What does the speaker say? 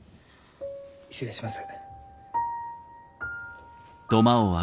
失礼します。